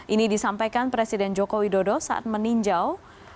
ini disampaikan presiden jokowi dodo saat meninjau